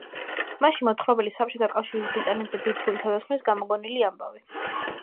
მასში მოთხრობილი საბჭოთა კავშირის ბრიტანეთზე ბირთვული თავდასხმის გამოგონილი ამბავი.